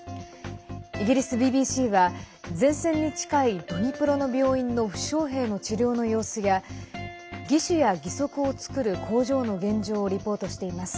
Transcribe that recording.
イギリスＢＢＣは前線に近いドニプロの病院の負傷兵の治療の様子や義手や義足を作る工場の現状をリポートしています。